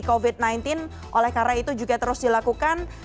covid sembilan belas oleh karena itu juga terus dilakukan